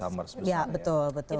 ya itu sih